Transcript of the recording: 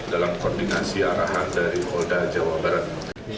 dalam koordinasi arahan dari polda jawa barat